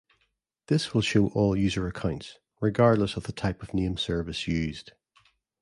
This will show all user accounts, regardless of the type of name service used.